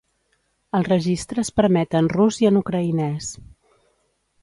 El registre es permet en rus i en ucraïnès.